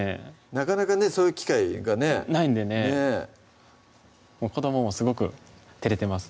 なかなかねそういう機会がねないんでね子どももすごくてれてます